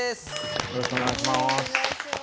よろしくお願いします。